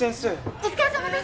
お疲れさまです！